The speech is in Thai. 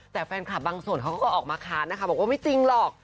แต่แฟนคลับบางส่วนเขาก็ออกมาค้านนะคะบอกว่าไม่จริงหรอก